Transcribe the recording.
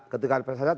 ketika diperiksa sehat